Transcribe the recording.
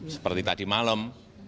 seperti tadi malam